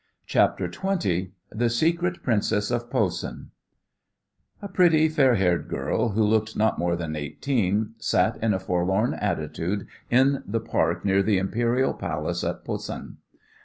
CHAPTER XX THE SECRET PRINCESS OF POSEN A pretty, fair haired girl, who looked not more than eighteen, sat in a forlorn attitude in the park near the Imperial Palace at Posen.